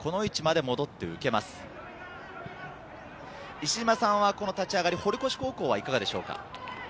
石島さんは、この立ち上がり、堀越高校はいかがでしょうか？